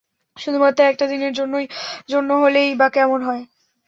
শুধুমাত্র একটা দিনের জন্যে হলেই বা কেমন হয়?